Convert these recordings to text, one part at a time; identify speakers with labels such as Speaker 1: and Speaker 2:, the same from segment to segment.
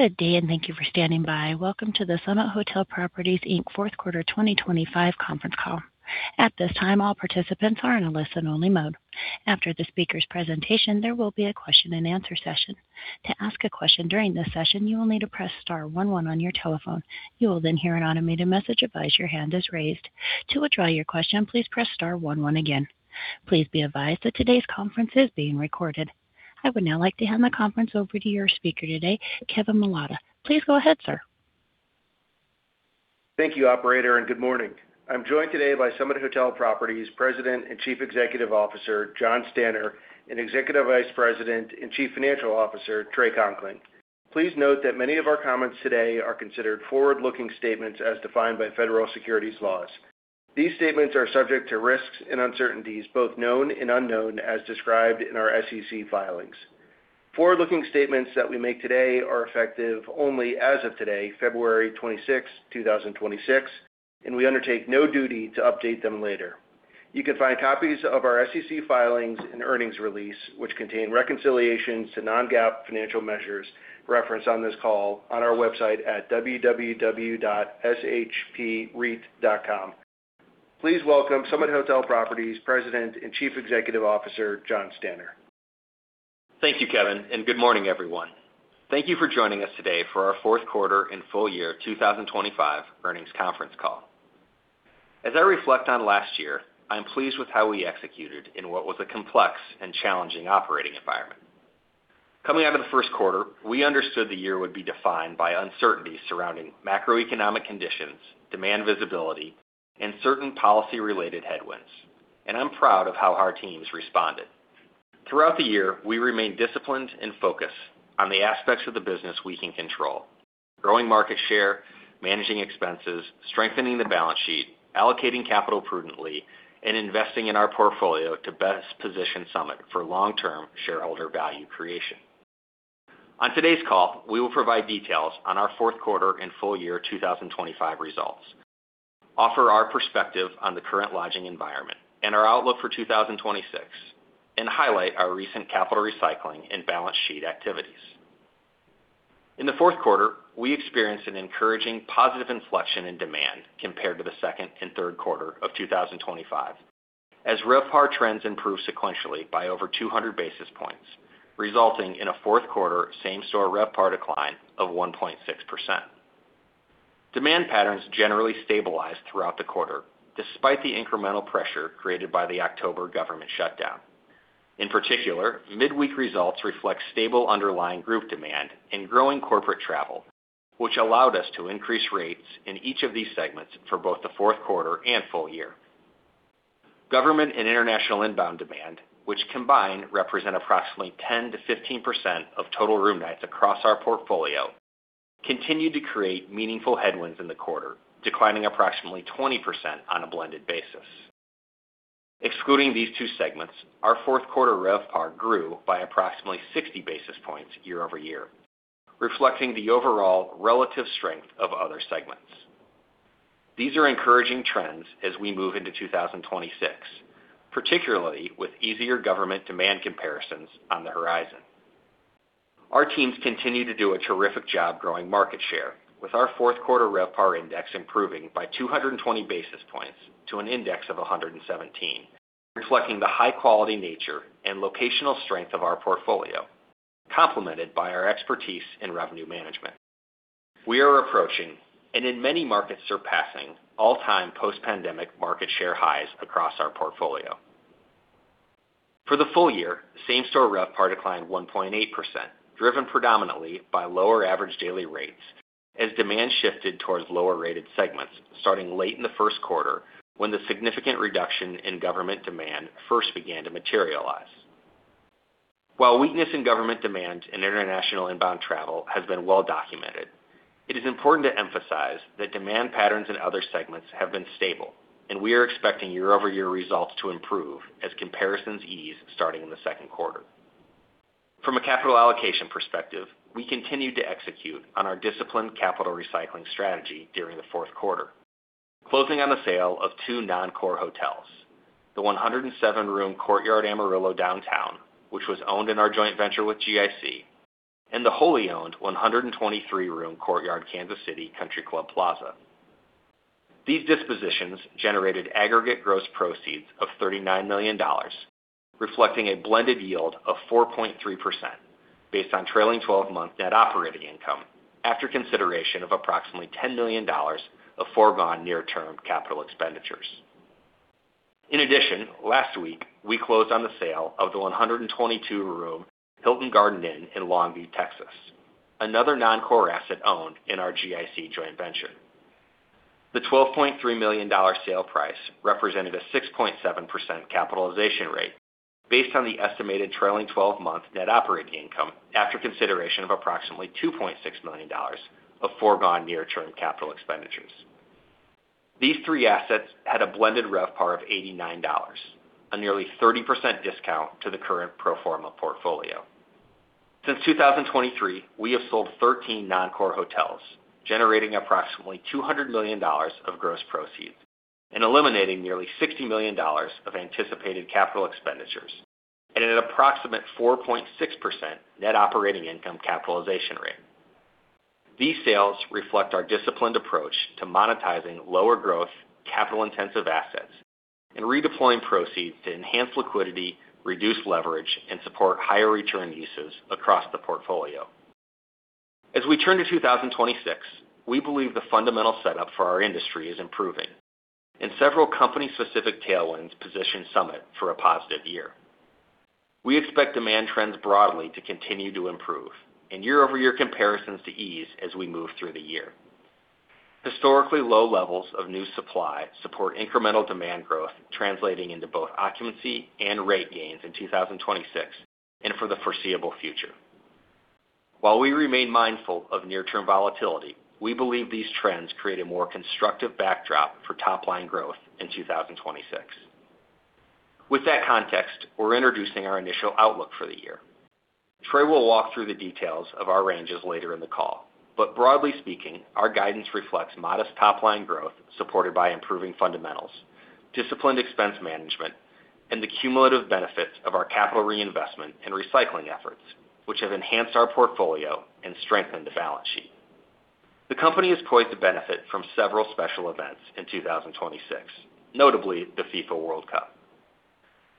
Speaker 1: Good day, and thank you for standing by. Welcome to the Summit Hotel Properties, Inc. Fourth Quarter 2025 conference call. At this time, all participants are in a listen-only mode. After the speaker's presentation, there will be a question-and-answer session. To ask a question during this session, you will need to press *11 on your telephone. You will then hear an automated message advise your hand is raised. To withdraw your question, please press *11 again. Please be advised that today's conference is being recorded. I would now like to hand the conference over to your speaker today, Kevin Milota. Please go ahead, sir.
Speaker 2: Thank you, operator, and good morning. I'm joined today by Summit Hotel Properties President and Chief Executive Officer, Jonathan Stanner, and Executive Vice President and Chief Financial Officer, Trey Conkling. Please note that many of our comments today are considered forward-looking statements as defined by federal securities laws. These statements are subject to risks and uncertainties, both known and unknown, as described in our SEC filings. Forward-looking statements that we make today are effective only as of today, February twenty-sixth, two thousand and twenty-six, and we undertake no duty to update them later. You can find copies of our SEC filings and earnings release, which contain reconciliations to non-GAAP financial measures referenced on this call on our website at www.shpreit.com. Please welcome Summit Hotel Properties President and Chief Executive Officer, Jonathan Stanner.
Speaker 3: Thank you, Kevin, and good morning, everyone. Thank you for joining us today for our fourth quarter and full year 2025 earnings conference call. As I reflect on last year, I'm pleased with how we executed in what was a complex and challenging operating environment. Coming out of the first quarter, we understood the year would be defined by uncertainty surrounding macroeconomic conditions, demand visibility, and certain policy-related headwinds, and I'm proud of how our teams responded. Throughout the year, we remained disciplined and focused on the aspects of the business we can control, growing market share, managing expenses, strengthening the balance sheet, allocating capital prudently, and investing in our portfolio to best position Summit for long-term shareholder value creation. On today's call, we will provide details on our fourth quarter and full year 2025 results, offer our perspective on the current lodging environment and our outlook for 2026, and highlight our recent capital recycling and balance sheet activities. In the fourth quarter, we experienced an encouraging positive inflection in demand compared to the second and third quarter of 2025, as RevPAR trends improved sequentially by over 200 basis points, resulting in a fourth quarter same-store RevPAR decline of 1.6%. Demand patterns generally stabilized throughout the quarter, despite the incremental pressure created by the October government shutdown. In particular, midweek results reflect stable underlying group demand and growing corporate travel, which allowed us to increase rates in each of these segments for both the fourth quarter and full year. Government and international inbound demand, which combined represent approximately 10%-15% of total room nights across our portfolio, continued to create meaningful headwinds in the quarter, declining approximately 20% on a blended basis. Excluding these two segments, our fourth quarter RevPAR grew by approximately 60 basis points year-over-year, reflecting the overall relative strength of other segments. These are encouraging trends as we move into 2026, particularly with easier government demand comparisons on the horizon. Our teams continue to do a terrific job growing market share with our fourth quarter RevPAR index improving by 220 basis points to an index of 117, reflecting the high quality, nature, and locational strength of our portfolio, complemented by our expertise in revenue management. We are approaching, and in many markets, surpassing all-time post-pandemic market share highs across our portfolio. For the full year, same-store RevPAR declined 1.8%, driven predominantly by lower average daily rates as demand shifted towards lower-rated segments starting late in the first quarter, when the significant reduction in government demand first began to materialize. While weakness in government demand and international inbound travel has been well documented, it is important to emphasize that demand patterns in other segments have been stable, and we are expecting year-over-year results to improve as comparisons ease starting in the second quarter. From a capital allocation perspective, we continued to execute on our disciplined capital recycling strategy during the fourth quarter, closing on the sale of two non-core hotels, the 107-room Courtyard Amarillo Downtown, which was owned in our joint venture with GIC, and the wholly owned 123-room Courtyard Kansas City Country Club Plaza. These dispositions generated aggregate gross proceeds of $39 million, reflecting a blended yield of 4.3% based on trailing twelve-month net operating income, after consideration of approximately $10 million of foregone near-term capital expenditures. In addition, last week, we closed on the sale of the 122-room Hilton Garden Inn in Longview, Texas, another non-core asset owned in our GIC joint venture. The $12.3 million sale price represented a 6.7% capitalization rate based on the estimated trailing twelve-month net operating income after consideration of approximately $2.6 million of foregone near-term capital expenditures. These three assets had a blended RevPAR of $89, a nearly 30% discount to the current pro forma portfolio. Since 2023, we have sold 13 non-core hotels, generating approximately $200 million of gross proceeds and eliminating nearly $60 million of anticipated capital expenditures. At an approximate 4.6% net operating income capitalization rate. These sales reflect our disciplined approach to monetizing lower growth, capital-intensive assets, and redeploying proceeds to enhance liquidity, reduce leverage, and support higher return uses across the portfolio. As we turn to 2026, we believe the fundamental setup for our industry is improving, and several company-specific tailwinds position Summit for a positive year. We expect demand trends broadly to continue to improve, and year-over-year comparisons to ease as we move through the year. Historically low levels of new supply support incremental demand growth, translating into both occupancy and rate gains in 2026 and for the foreseeable future. While we remain mindful of near-term volatility, we believe these trends create a more constructive backdrop for top-line growth in 2026. With that context, we're introducing our initial outlook for the year. Trey will walk through the details of our ranges later in the call, but broadly speaking, our guidance reflects modest top-line growth, supported by improving fundamentals, disciplined expense management, and the cumulative benefits of our capital reinvestment and recycling efforts, which have enhanced our portfolio and strengthened the balance sheet. The company is poised to benefit from several special events in 2026, notably the FIFA World Cup.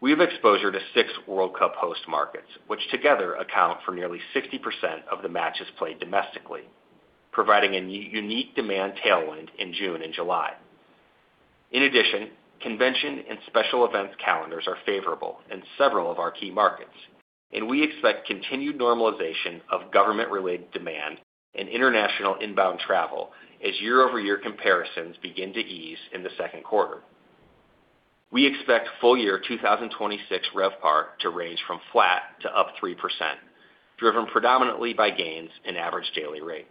Speaker 3: We have exposure to six World Cup host markets, which together account for nearly 60% of the matches played domestically, providing a unique demand tailwind in June and July. In addition, convention and special events calendars are favorable in several of our key markets, and we expect continued normalization of government-related demand and international inbound travel as year-over-year comparisons begin to ease in the second quarter. We expect full year 2026 RevPAR to range from flat to up 3%, driven predominantly by gains in average daily rates.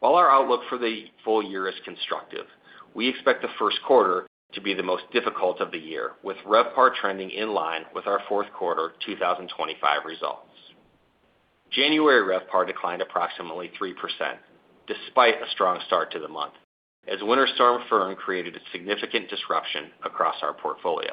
Speaker 3: While our outlook for the full year is constructive, we expect the first quarter to be the most difficult of the year, with RevPAR trending in line with our fourth quarter 2025 results. January RevPAR declined approximately 3%, despite a strong start to the month, as Winter Storm Fern created a significant disruption across our portfolio.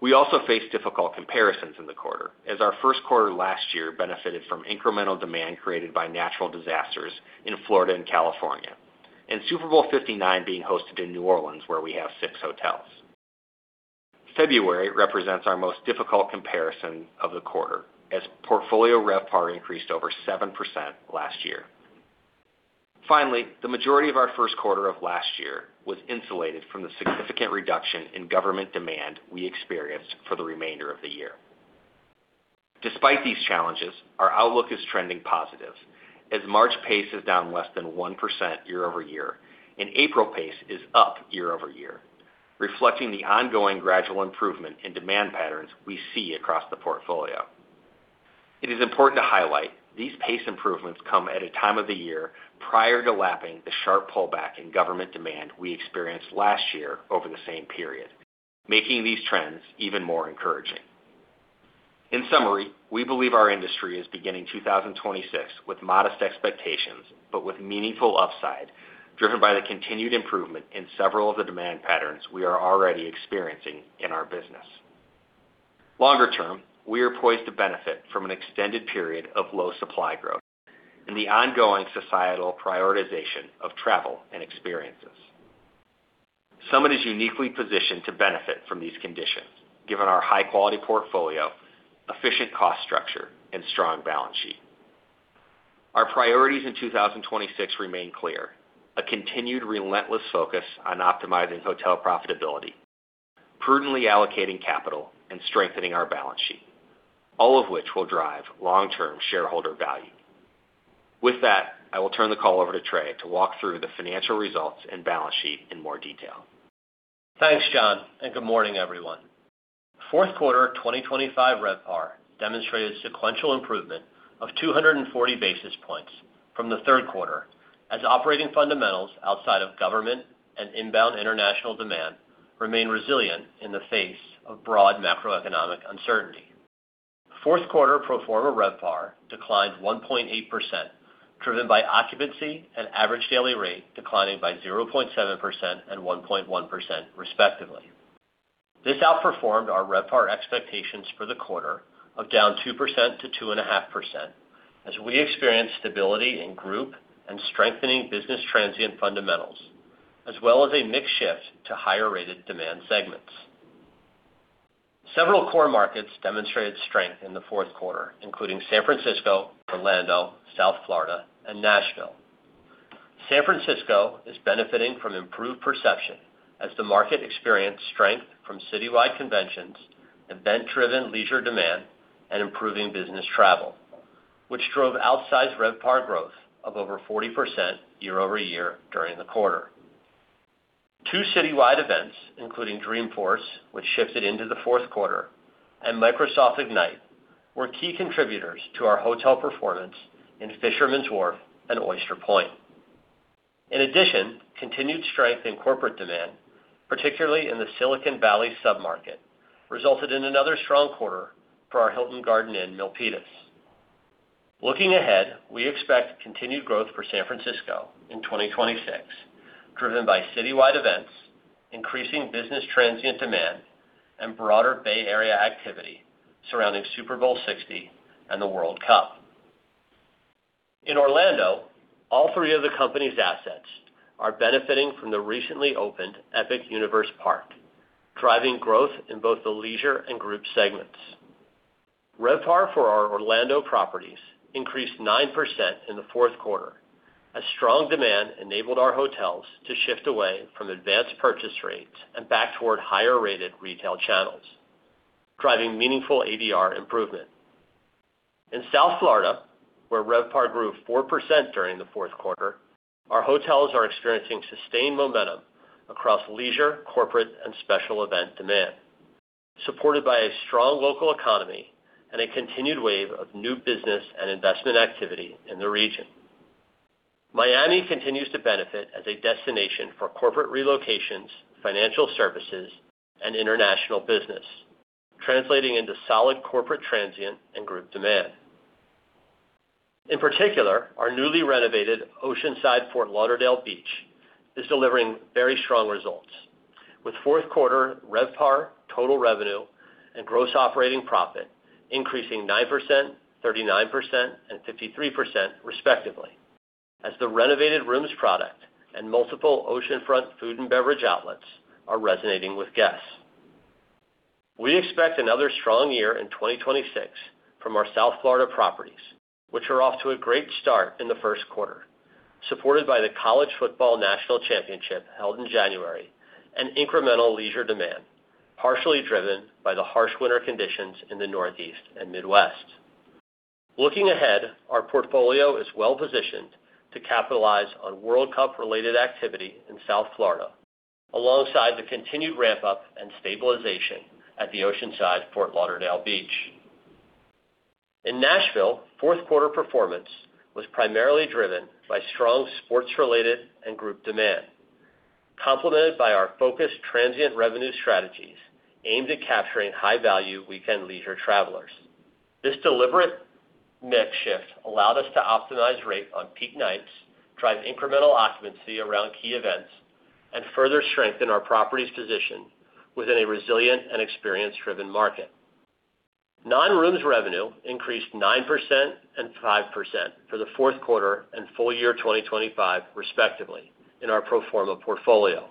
Speaker 3: We also face difficult comparisons in the quarter, as our first quarter last year benefited from incremental demand created by natural disasters in Florida and California, and Super Bowl LIX being hosted in New Orleans, where we have 6 hotels. February represents our most difficult comparison of the quarter, as portfolio RevPAR increased over 7% last year. The majority of our first quarter of last year was insulated from the significant reduction in government demand we experienced for the remainder of the year. Despite these challenges, our outlook is trending positive, as March pace is down less than 1% year-over-year, and April pace is up year-over-year, reflecting the ongoing gradual improvement in demand patterns we see across the portfolio. It is important to highlight, these pace improvements come at a time of the year prior to lapping the sharp pullback in government demand we experienced last year over the same period, making these trends even more encouraging. In summary, we believe our industry is beginning 2026 with modest expectations, but with meaningful upside, driven by the continued improvement in several of the demand patterns we are already experiencing in our business. Longer term, we are poised to benefit from an extended period of low supply growth and the ongoing societal prioritization of travel and experiences. Summit is uniquely positioned to benefit from these conditions, given our high-quality portfolio, efficient cost structure, and strong balance sheet. Our priorities in 2026 remain clear: a continued relentless focus on optimizing hotel profitability, prudently allocating capital, and strengthening our balance sheet, all of which will drive long-term shareholder value. I will turn the call over to Trey to walk through the financial results and balance sheet in more detail.
Speaker 4: Thanks, John. Good morning, everyone. Fourth quarter of 2025 RevPAR demonstrated sequential improvement of 240 basis points from the third quarter, as operating fundamentals outside of government and inbound international demand remained resilient in the face of broad macroeconomic uncertainty. Fourth quarter pro forma RevPAR declined 1.8%, driven by occupancy and average daily rate, declining by 0.7% and 1.1% respectively. This outperformed our RevPAR expectations for the quarter of down 2% to 2.5%, as we experienced stability in group and strengthening business transient fundamentals, as well as a mix shift to higher-rated demand segments. Several core markets demonstrated strength in the fourth quarter, including San Francisco, Orlando, South Florida, and Nashville. San Francisco is benefiting from improved perception as the market experienced strength from citywide conventions, event-driven leisure demand, and improving business travel, which drove outsized RevPAR growth of over 40% year-over-year during the quarter. Two citywide events, including Dreamforce, which shifted into the fourth quarter, and Microsoft Ignite, were key contributors to our hotel performance in Fisherman's Wharf and Oyster Point. Continued strength in corporate demand, particularly in the Silicon Valley submarket, resulted in another strong quarter for our Hilton Garden Inn, Milpitas. Looking ahead, we expect continued growth for San Francisco in 2026, driven by citywide events, increasing business transient demand, and broader Bay Area activity surrounding Super Bowl LX and the World Cup. All three of the company's assets are benefiting from the recently opened Epic Universe Park, driving growth in both the leisure and group segments. RevPAR for our Orlando properties increased 9% in the fourth quarter, as strong demand enabled our hotels to shift away from advanced purchase rates and back toward higher-rated retail channels, driving meaningful ADR improvement. In South Florida, where RevPAR grew 4% during the fourth quarter, our hotels are experiencing sustained momentum across leisure, corporate, and special event demand, supported by a strong local economy and a continued wave of new business and investment activity in the region. Miami continues to benefit as a destination for corporate relocations, financial services, and international business, translating into solid corporate transient and group demand. In particular, our newly renovated Oceanside Fort Lauderdale Beach is delivering very strong results, with fourth quarter RevPAR, total revenue, and gross operating profit increasing 9%, 39%, and 53%, respectively, as the renovated rooms product and multiple oceanfront food and beverage outlets are resonating with guests. We expect another strong year in 2026 from our South Florida properties, which are off to a great start in the first quarter, supported by the College Football National Championship held in January and incremental leisure demand, partially driven by the harsh winter conditions in the Northeast and Midwest. Looking ahead, our portfolio is well positioned to capitalize on World Cup-related activity in South Florida, alongside the continued ramp up and stabilization at the Oceanside Fort Lauderdale Beach. In Nashville, fourth quarter performance was primarily driven by strong sports-related and group demand, complemented by our focused transient revenue strategies aimed at capturing high-value weekend leisure travelers. This deliberate mix shift allowed us to optimize rate on peak nights, drive incremental occupancy around key events, and further strengthen our property's position within a resilient and experience-driven market. Non-rooms revenue increased 9% and 5% for the fourth quarter and full year 2025, respectively, in our pro forma portfolio.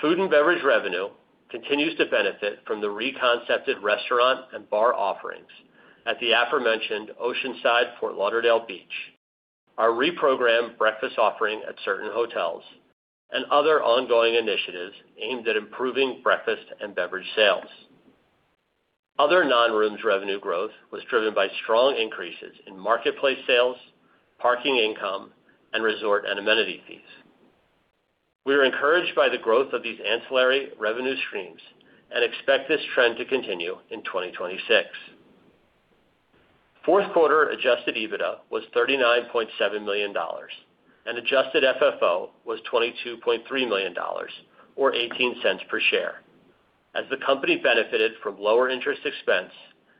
Speaker 4: Food and beverage revenue continues to benefit from the reconcepted restaurant and bar offerings at the aforementioned Oceanside Fort Lauderdale Beach, our reprogrammed breakfast offering at certain hotels, and other ongoing initiatives aimed at improving breakfast and beverage sales. Other non-rooms revenue growth was driven by strong increases in marketplace sales, parking income, and resort and amenity fees. We are encouraged by the growth of these ancillary revenue streams and expect this trend to continue in 2026. Fourth quarter adjusted EBITDA was $39.7 million, and adjusted FFO was $22.3 million, or $0.18 per share, as the company benefited from lower interest expense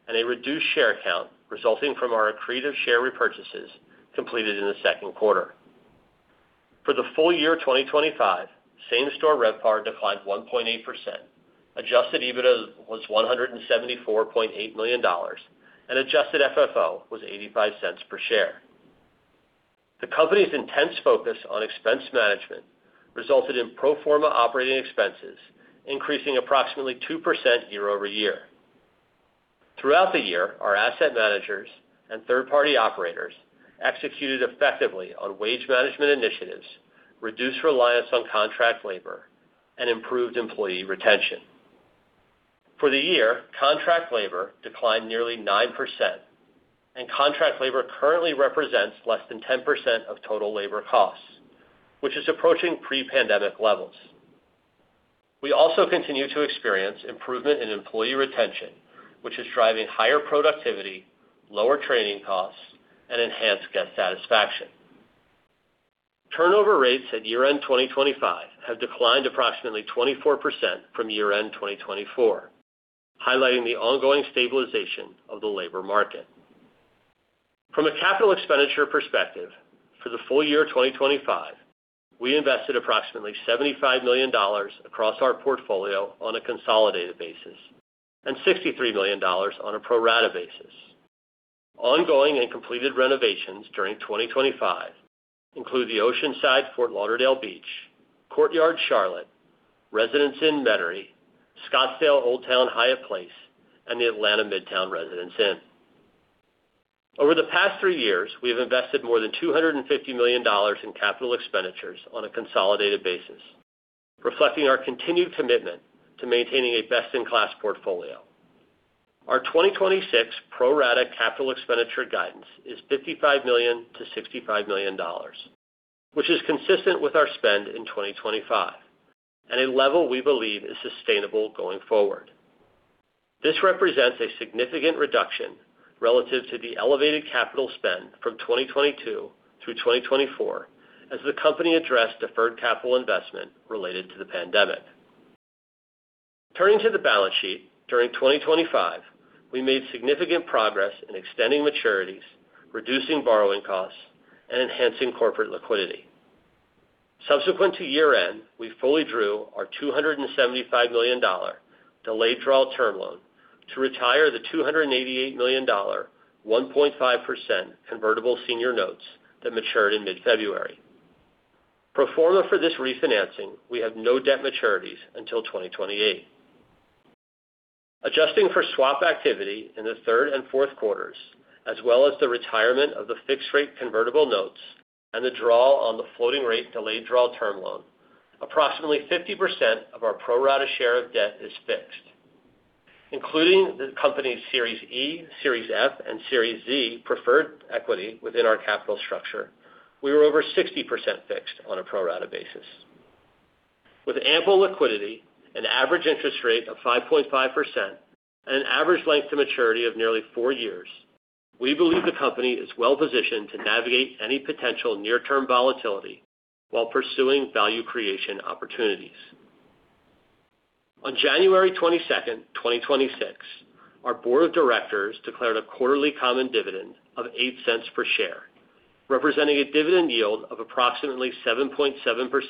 Speaker 4: and a reduced share count resulting from our accretive share repurchases completed in the second quarter. For the full year 2025, same-store RevPAR declined 1.8%, adjusted EBITDA was $174.8 million, and adjusted FFO was $0.85 per share. The company's intense focus on expense management resulted in pro forma operating expenses increasing approximately 2% year-over-year. Throughout the year, our asset managers and third-party operators executed effectively on wage management initiatives, reduced reliance on contract labor, and improved employee retention. For the year, contract labor declined nearly 9%, and contract labor currently represents less than 10% of total labor costs, which is approaching pre-pandemic levels. We also continue to experience improvement in employee retention, which is driving higher productivity, lower training costs, and enhanced guest satisfaction. Turnover rates at year-end 2025 have declined approximately 24% from year-end 2024, highlighting the ongoing stabilization of the labor market. From a capital expenditure perspective, for the full year 2025, we invested approximately $75 million across our portfolio on a consolidated basis, and $63 million on a pro rata basis. Ongoing and completed renovations during 2025 include the Oceanside Fort Lauderdale Beach, Courtyard Charlotte, Residence Inn Metairie, Scottsdale Old Town Hyatt Place, and the Atlanta Midtown Residence Inn. Over the past three years, we have invested more than $250 million in capital expenditures on a consolidated basis, reflecting our continued commitment to maintaining a best-in-class portfolio. Our 2026 pro rata capital expenditure guidance is $55 million-$65 million, which is consistent with our spend in 2025, at a level we believe is sustainable going forward. This represents a significant reduction relative to the elevated capital spend from 2022 through 2024, as the company addressed deferred capital investment related to the pandemic. Turning to the balance sheet, during 2025, we made significant progress in extending maturities, reducing borrowing costs, and enhancing corporate liquidity. Subsequent to year-end, we fully drew our $275 million delayed draw term loan to retire the $288 million, 1.5% convertible senior notes that matured in mid-February. Pro forma for this refinancing, we have no debt maturities until 2028. Adjusting for swap activity in the third and fourth quarters, as well as the retirement of the fixed rate convertible notes and the draw on the floating rate delayed draw term loan, approximately 50% of our pro rata share of debt is fixed. Including the company's Series E, Series F, and Series Z preferred equity within our capital structure, we were over 60% fixed on a pro rata basis. With ample liquidity, an average interest rate of 5.5%, and an average length to maturity of nearly four years, we believe the company is well positioned to navigate any potential near-term volatility while pursuing value creation opportunities. On January 22, 2026, our board of directors declared a quarterly common dividend of $0.08 per share, representing a dividend yield of approximately 7.7%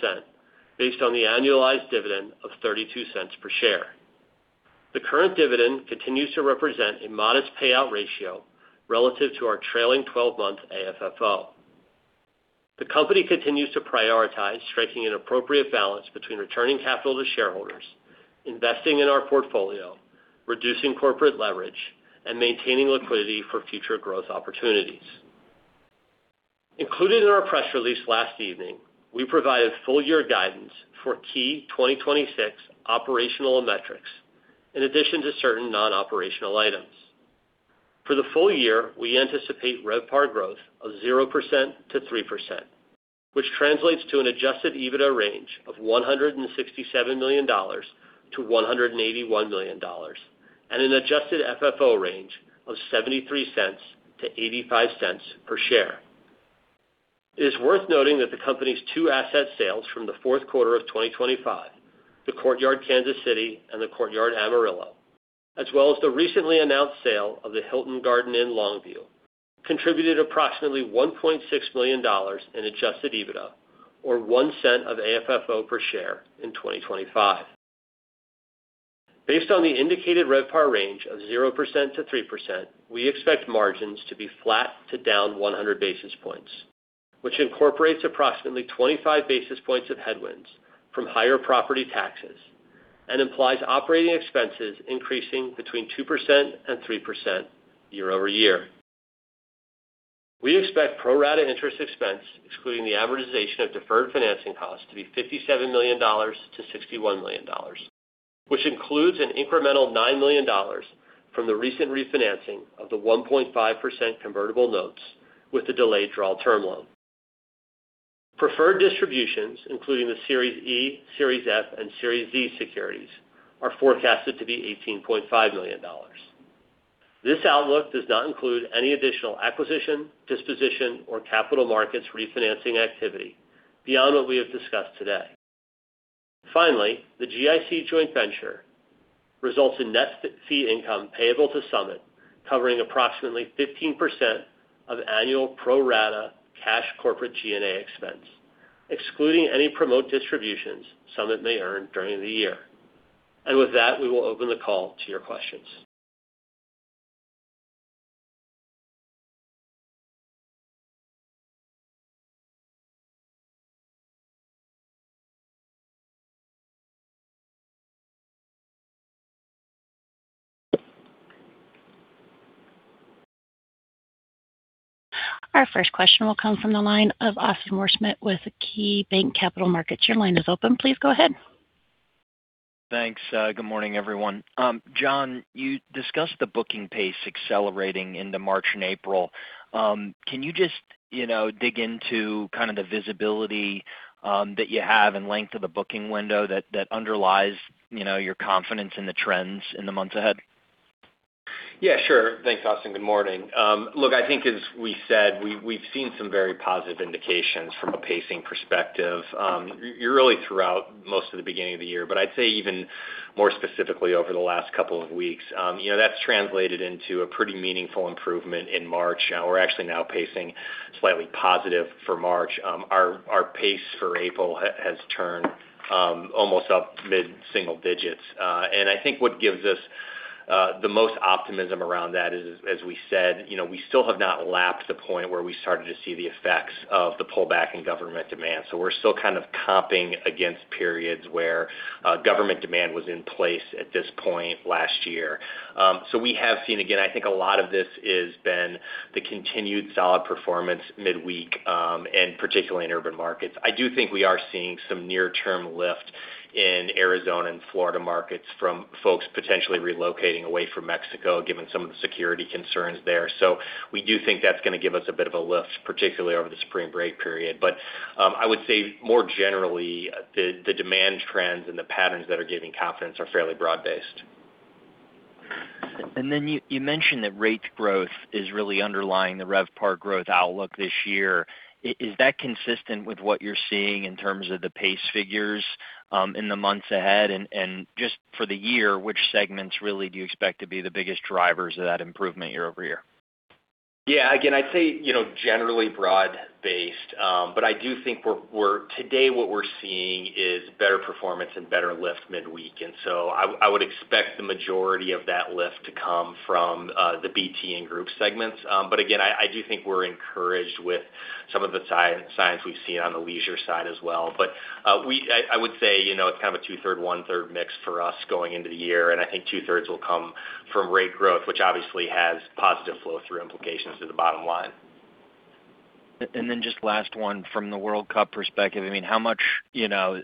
Speaker 4: based on the annualized dividend of $0.32 per share. The current dividend continues to represent a modest payout ratio relative to our trailing twelve-month AFFO. The company continues to prioritize striking an appropriate balance between returning capital to shareholders, investing in our portfolio, reducing corporate leverage, and maintaining liquidity for future growth opportunities. Included in our press release last evening, we provided full year guidance for key 2026 operational metrics, in addition to certain non-operational items. For the full year, we anticipate RevPAR growth of 0%-3%, which translates to an adjusted EBITDA range of $167 million-$181 million, and an adjusted FFO range of $0.73-$0.85 per share. It is worth noting that the company's two asset sales from the fourth quarter of 2025, the Courtyard Kansas City and the Courtyard Amarillo, as well as the recently announced sale of the Hilton Garden Inn Longview, contributed approximately $1.6 million in adjusted EBITDA, or $0.01 of AFFO per share in 2025. Based on the indicated RevPAR range of 0%-3%, we expect margins to be flat to down 100 basis points, which incorporates approximately 25 basis points of headwinds from higher property taxes and implies operating expenses increasing between 2% and 3% year-over-year. We expect pro rata interest expense, excluding the amortization of deferred financing costs, to be $57 million-$61 million, which includes an incremental $9 million from the recent refinancing of the 1.5% convertible notes with the delayed draw term loan. Preferred distributions, including the Series E, Series F, and Series Z securities, are forecasted to be $18.5 million. This outlook does not include any additional acquisition, disposition, or capital markets refinancing activity beyond what we have discussed today. The GIC joint venture results in net fee income payable to Summit, covering approximately 15% of annual pro rata cash corporate G&A expense, excluding any promote distributions Summit may earn during the year. With that, we will open the call to your questions.
Speaker 1: Our first question will come from the line of Austin Wurschmidt with KeyBanc Capital Markets. Your line is open. Please go ahead.
Speaker 5: Thanks. Good morning, everyone. John, you discussed the booking pace accelerating into March and April. Can you just, you know, dig into kind of the visibility that you have and length of the booking window that underlies, you know, your confidence in the trends in the months ahead?
Speaker 3: Yeah, sure. Thanks, Austin. Good morning. Look, I think as we said, we've seen some very positive indications from a pacing perspective, early throughout most of the beginning of the year, but I'd say even more specifically over the last couple of weeks. You know, that's translated into a pretty meaningful improvement in March, we're actually now pacing slightly positive for March. Our pace for April has turned almost up mid-single digits. I think what gives us the most optimism around that is, as we said, you know, we still have not lapsed the point where we started to see the effects of the pullback in government demand. We're still kind of comping against periods where government demand was in place at this point last year. We have seen, again, I think a lot of this is been the continued solid performance midweek, and particularly in urban markets. I do think we are seeing some near-term lift in Arizona and Florida markets from folks potentially relocating away from Mexico, given some of the security concerns there. We do think that's gonna give us a bit of a lift, particularly over the spring break period. I would say more generally, the demand trends and the patterns that are giving confidence are fairly broad-based....
Speaker 5: You mentioned that rates growth is really underlying the RevPAR growth outlook this year. Is that consistent with what you're seeing in terms of the pace figures in the months ahead? Just for the year, which segments really do you expect to be the biggest drivers of that improvement year-over-year?
Speaker 3: Yeah, again, I'd say, you know, generally broad-based, but I do think today, what we're seeing is better performance and better lift midweek. I would expect the majority of that lift to come from the BT and group segments. Again, I do think we're encouraged with some of the signs we've seen on the leisure side as well. I would say, you know, it's kind of a two-third, one-third mix for us going into the year, and I think two-thirds will come from rate growth, which obviously has positive flow-through implications to the bottom line.
Speaker 5: Then just last one, from the World Cup perspective, I mean, how much, you know,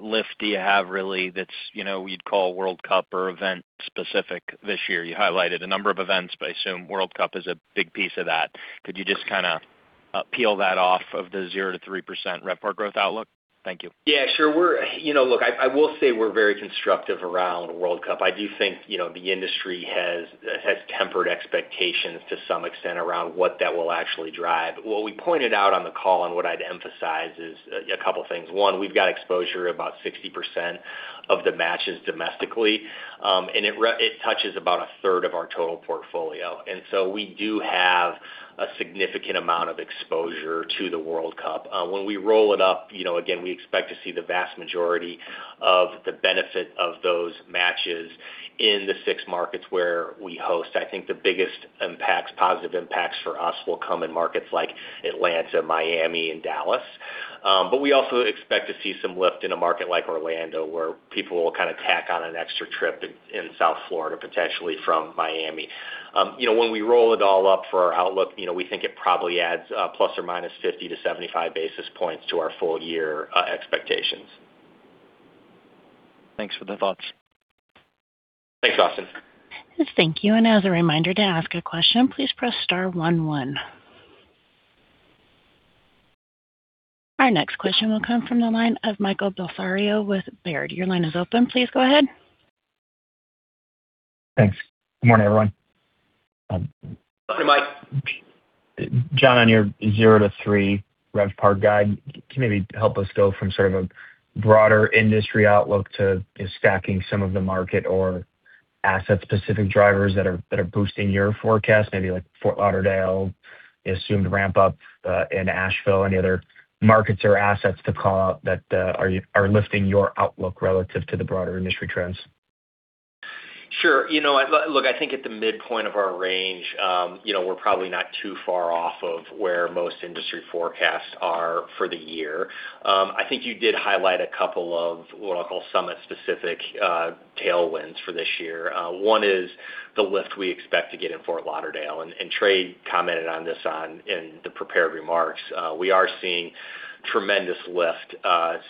Speaker 5: lift do you have really that's, you know, we'd call World Cup or event specific this year? You highlighted a number of events, but I assume World Cup is a big piece of that. Could you just kind of, peel that off of the 0%-3% RevPAR growth outlook? Thank you.
Speaker 3: Yeah, sure. You know, look, I will say we're very constructive around World Cup. I do think, you know, the industry has tempered expectations to some extent around what that will actually drive. What we pointed out on the call and what I'd emphasize is a couple of things. One, we've got exposure about 60% of the matches domestically, and it touches about a third of our total portfolio, we do have a significant amount of exposure to the World Cup. When we roll it up, you know, again, we expect to see the vast majority of the benefit of those matches in the 6 markets where we host. I think the biggest impacts, positive impacts for us will come in markets like Atlanta, Miami, and Dallas. We also expect to see some lift in a market like Orlando, where people will kind of tack on an extra trip in South Florida, potentially from Miami. You know, when we roll it all up for our outlook, you know, we think it probably adds ±50 to 75 basis points to our full year expectations.
Speaker 5: Thanks for the thoughts.
Speaker 3: Thanks, Austin.
Speaker 1: Thank you. As a reminder, to ask a question, please press Star one. Our next question will come from the line of Michael Bellisario with Baird. Your line is open. Please go ahead.
Speaker 6: Thanks. Good morning, everyone.
Speaker 3: Good morning, Mike.
Speaker 6: Jonathan, on your 0-3 RevPAR guide, can you maybe help us go from sort of a broader industry outlook to just stacking some of the market or asset-specific drivers that are boosting your forecast, maybe like Fort Lauderdale, the assumed ramp up in Asheville, any other markets or assets to call out that are lifting your outlook relative to the broader industry trends?
Speaker 3: Sure. You know, I look, I think at the midpoint of our range, you know, we're probably not too far off of where most industry forecasts are for the year. I think you did highlight a couple of what I'll call Summit specific tailwinds for this year. One is the lift we expect to get in Fort Lauderdale, and Trey commented on this on in the prepared remarks. We are seeing tremendous lift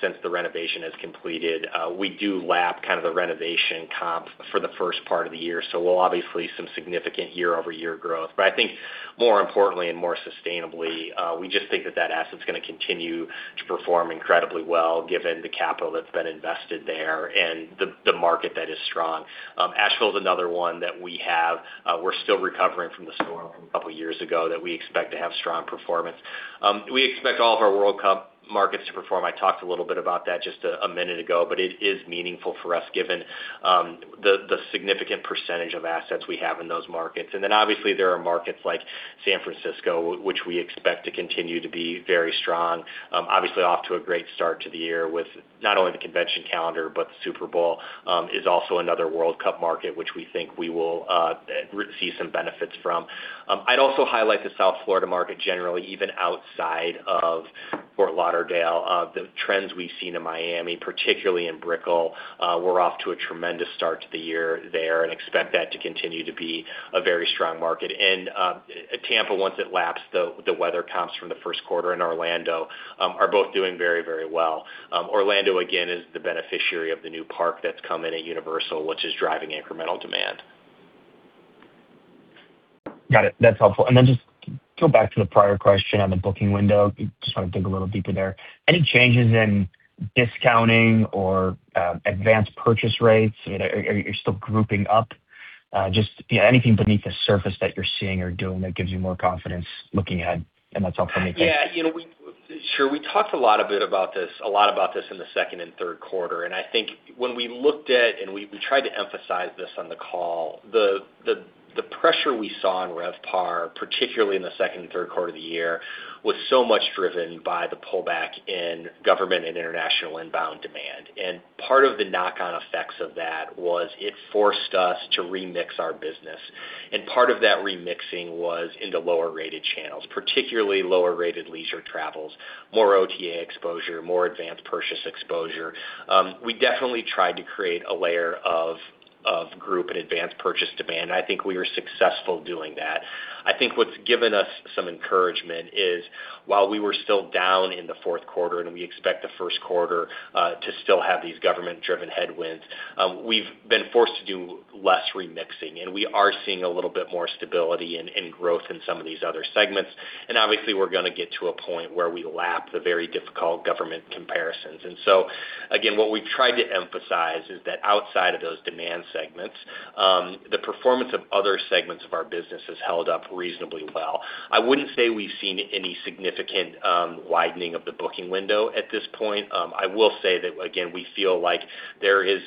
Speaker 3: since the renovation is completed. We do lap kind of the renovation comp for the first part of the year, so we'll obviously some significant year-over-year growth. I think more importantly and more sustainably, we just think that that asset is going to continue to perform incredibly well, given the capital that's been invested there and the market that is strong. Asheville is another one that we have. We're still recovering from the storm a couple of years ago that we expect to have strong performance. We expect all of our World Cup markets to perform. I talked a little bit about that just a minute ago. It is meaningful for us, given the significant percentage of assets we have in those markets. Obviously, there are markets like San Francisco, which we expect to continue to be very strong. Obviously off to a great start to the year with not only the convention calendar, but the Super Bowl is also another World Cup market, which we think we will see some benefits from. I'd also highlight the South Florida market, generally, even outside of Fort Lauderdale. The trends we've seen in Miami, particularly in Brickell, we're off to a tremendous start to the year there and expect that to continue to be a very strong market. Tampa, once it laps, the weather comps from the first quarter in Orlando, are both doing very, very well. Orlando, again, is the beneficiary of the new park that's coming at Universal, which is driving incremental demand.
Speaker 6: Got it. That's helpful. Then just go back to the prior question on the booking window. Just want to dig a little deeper there. Any changes in discounting or advanced purchase rates? Are you still grouping up? Just, yeah, anything beneath the surface that you're seeing or doing that gives you more confidence looking ahead? That's all for me.
Speaker 3: Yeah, you know, Sure. We talked a lot about this in the second and third quarter, and I think when we looked at, and we tried to emphasize this on the call, the pressure we saw in RevPAR, particularly in the second and third quarter of the year, was so much driven by the pullback in government and international inbound demand. Part of the knock-on effects of that was it forced us to remix our business. Part of that remixing was in the lower-rated channels, particularly lower-rated leisure travels, more OTA exposure, more advanced purchase exposure. We definitely tried to create a layer of group and advanced purchase demand. I think we were successful doing that. I think what's given us some encouragement is while we were still down in the fourth quarter, and we expect the first quarter to still have these government-driven headwinds, we've been forced to do less remixing, and we are seeing a little bit more stability and growth in some of these other segments. Obviously, we're gonna get to a point where we lap the very difficult government comparisons. So, again, what we tried to emphasize is that outside of those demand segments, the performance of other segments of our business has held up reasonably well. I wouldn't say we've seen any significant widening of the booking window at this point. I will say that, again, we feel like there is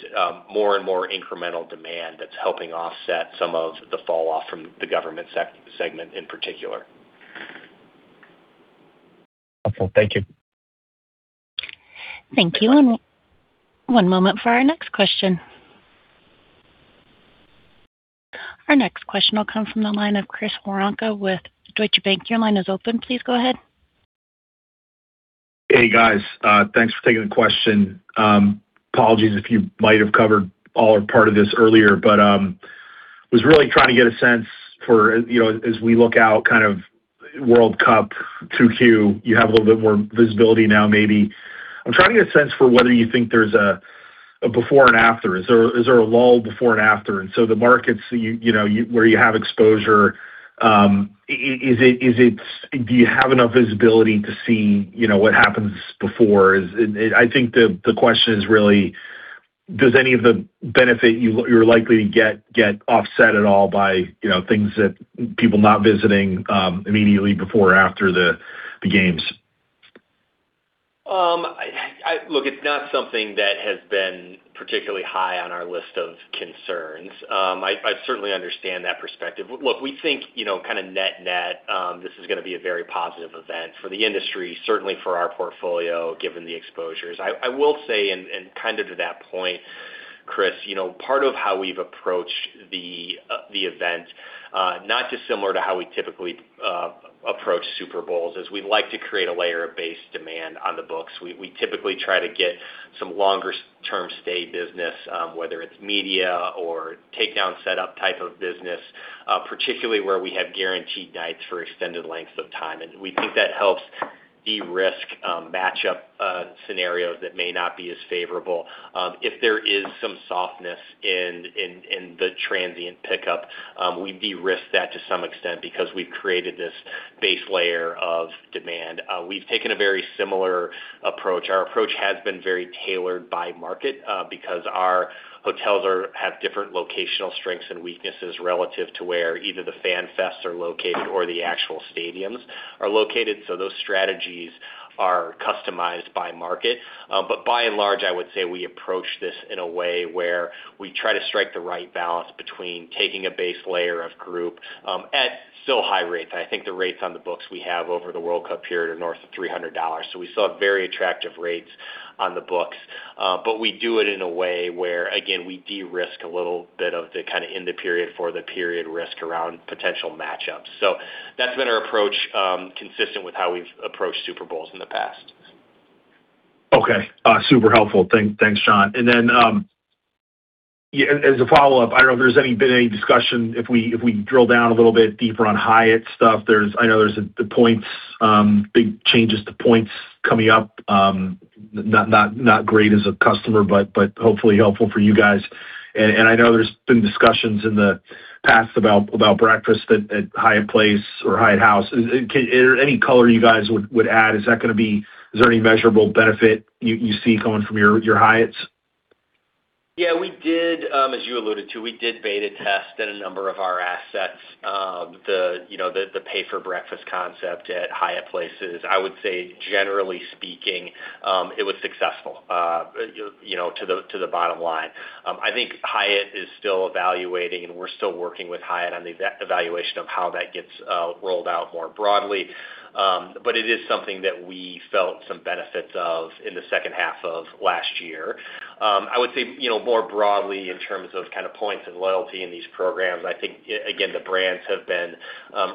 Speaker 3: more and more incremental demand that's helping offset some of the falloff from the government segment in particular.
Speaker 6: Wonderful. Thank you.
Speaker 1: Thank you. One moment for our next question. Our next question will come from the line of Chris Woronka with Deutsche Bank. Your line is open. Please go ahead.
Speaker 7: Hey, guys. Thanks for taking the question. Apologies if you might have covered all or part of this earlier, but was really trying to get a sense for, you know, as we look out kind of World Cup two Q, you have a little bit more visibility now maybe. I'm trying to get a sense for whether you think there's a before and after. Is there a lull before and after? The markets, you know, where you have exposure, is it, do you have enough visibility to see, you know, what happens before? I think the question is really, does any of the benefit you're likely to get offset at all by, you know, things that people not visiting immediately before or after the games?
Speaker 3: Look, it's not something that has been particularly high on our list of concerns. I certainly understand that perspective. Look, we think, you know, kind of net-net, this is gonna be a very positive event for the industry, certainly for our portfolio, given the exposures. I will say, and kind of to that point, Chris, you know, part of how we've approached the event, not dissimilar to how we typically approach Super Bowls, is we like to create a layer of base demand on the books. We typically try to get some longer-term stay business, whether it's media or take down, set up type of business, particularly where we have guaranteed nights for extended lengths of time. We think that helps de-risk, match up, scenarios that may not be as favorable. If there is some softness in the transient pickup, we de-risk that to some extent because we've created this base layer of demand. We've taken a very similar approach. Our approach has been very tailored by market because our hotels have different locational strengths and weaknesses relative to where either the fan fests are located or the actual stadiums are located, so those strategies are customized by market. By and large, I would say we approach this in a way where we try to strike the right balance between taking a base layer of group at still high rates. I think the rates on the books we have over the World Cup period are north of $300. We still have very attractive rates on the books, but we do it in a way where, again, we de-risk a little bit of the kind of in the period for the period risk around potential match-ups. That's been our approach, consistent with how we've approached Super Bowls in the past.
Speaker 7: Okay. Super helpful. Thanks, Sean. As a follow-up, I don't know if there's been any discussion, if we drill down a little bit deeper on Hyatt stuff, I know there's the points, big changes to points coming up, not great as a customer, but hopefully helpful for you guys. I know there's been discussions in the past about breakfast at Hyatt Place or Hyatt House. Any color you guys would add, is there any measurable benefit you see coming from your Hyatts?
Speaker 3: Yeah, we did, as you alluded to, we did beta test in a number of our assets, the, you know, the pay for breakfast concept at Hyatt Place. I would say, generally speaking, it was successful, you know, to the, to the bottom line. I think Hyatt is still evaluating, and we're still working with Hyatt on the evaluation of how that gets rolled out more broadly. It is something that we felt some benefits of in the second half of last year. I would say, you know, more broadly, in terms of kind of points and loyalty in these programs, I think, again, the brands have been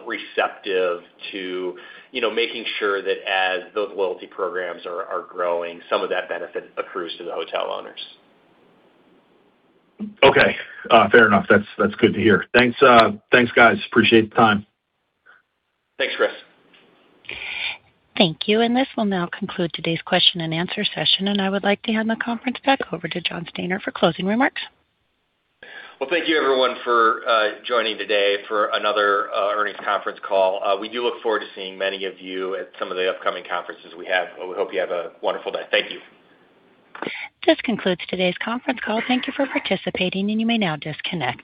Speaker 3: receptive to, you know, making sure that as those loyalty programs are growing, some of that benefit accrues to the hotel owners.
Speaker 7: Okay, fair enough. That's good to hear. Thanks, guys. Appreciate the time.
Speaker 3: Thanks, Chris.
Speaker 1: Thank you. This will now conclude today's question and answer session, and I would like to hand the conference back over to John Stanner for closing remarks.
Speaker 3: Well, thank you, everyone, for joining today for another earnings conference call. We do look forward to seeing many of you at some of the upcoming conferences we have. We hope you have a wonderful day. Thank you.
Speaker 1: This concludes today's conference call. Thank you for participating, and you may now disconnect.